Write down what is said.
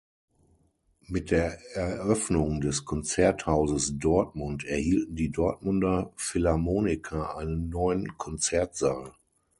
Mit der Eröffnung des Konzerthauses Dortmund erhielten die Dortmunder Philharmoniker einen neuen Konzertsaal.